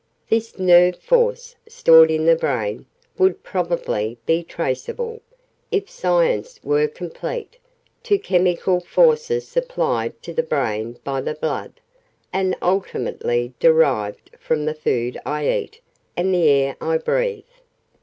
This nerve force, stored in the brain, would probably be traceable, if Science were complete, to chemical forces supplied to the brain by the blood, and ultimately derived from the food I eat and the air I breathe."